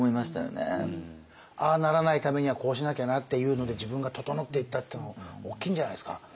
ああならないためにはこうしなきゃなっていうので自分が整っていったっていうの大きいんじゃないですか？